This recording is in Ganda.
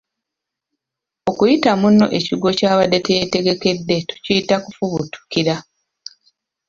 Okukuba munno ekigwo ky’abadde teyeetegedde tukiyita Kufubutukira.